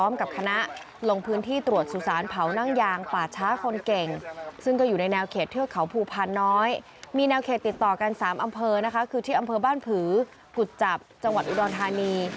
มีแนวเขตติดต่อกัน๓อำเภอนะคะคือที่อำเภอบ้านผือกุจจับจังหวัดอุดรธานี